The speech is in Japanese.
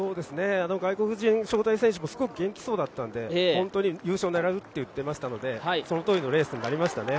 外国人招待選手もすごい元気そうだったので本当に優勝狙うと言ってましたので、そのとおりのレースになりましたね。